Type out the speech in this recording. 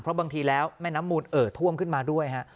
เพราะบางทีแล้วแม่น้ำมูลเอ่อท่วมขึ้นมาด้วยฮะ